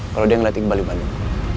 kalau dia ngeliat iqbal di bandung